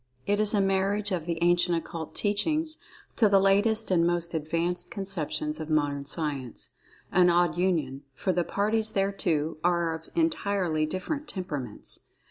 It is a marriage of the Ancient Occult Teachings to the latest and most advanced conceptions of Modern Science—an odd union, for the parties thereto are of entirely different temperaments.